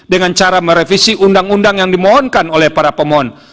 dengan cara merevisi undang undang yang dimohonkan oleh para pemohon